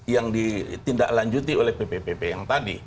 yang ditindaklanjuti oleh ppp yang tadi